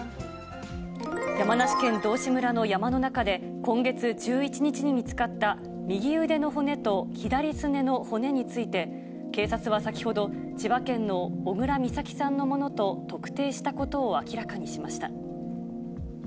山梨県道志村の山の中で、今月１１日に見つかった右腕の骨と左すねの骨について、警察は先ほど、千葉県の小倉美咲さんのものと特定したことを明らかにしました。